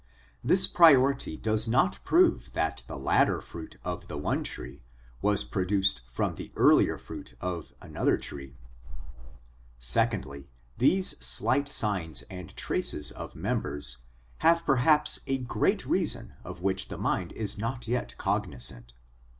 This priority does not prove that the later 224 SOME ANSWERED QUESTIONS fruit of one tree was produced from the earlier fruit of another tree. Secondly, these slight signs and traces of members have perhaps a great reason of which the mind is not yet cognisant.